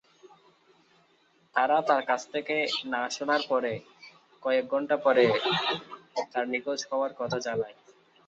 তারা তার কাছ থেকে না শোনার পরে কয়েক ঘন্টা পরে তার নিখোঁজ হওয়ার কথা জানায়।